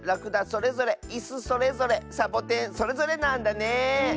それぞれいすそれぞれサボテンそれぞれなんだね。